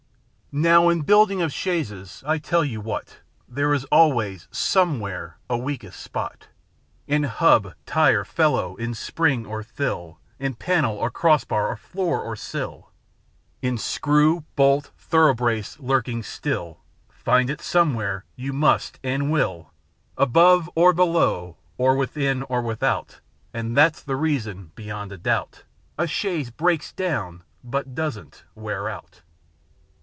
Now in building of chaises, I'll tell you what, There is always somewhere a weakest spot â In hub, tire, or felloe, in spring or thill, In panel, or crossbar, or fioor, or sill, In screw, bolt, thorough brace â ^lurking still, Find it somewhere you must and will â Above or below, or within or without â And that's the reason, beyond a doubt, A chaise hredka down, but doesn't wear out.